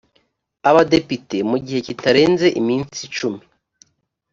abadepite mu gihe kitarenze iminsi cumi